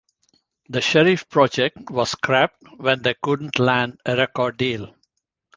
The Sheriff project was scrapped when they couldn't land a record deal.